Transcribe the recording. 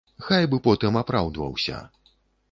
Хай бы потым апраўдваўся.